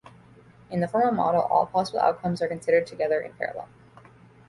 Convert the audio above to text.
In the formal model, all possible outcomes are considered together, in parallel.